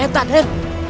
eh tak den